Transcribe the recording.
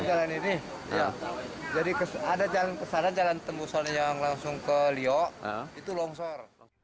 jalan ini jadi ada jalan kesana jalan tembusan yang langsung ke liok itu longsor